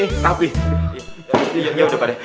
iya udah pak d